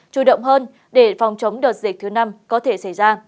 chủ động hơn để phòng chống đợt dịch thứ năm có thể xảy ra